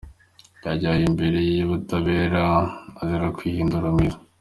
Yajyanwe imbere y’ubutabera azira kwihindura mwiza